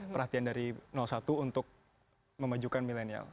perhatian dari satu untuk memajukan milenial